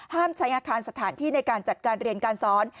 ใช้อาคารสถานที่ในการจัดการเรียนการสอน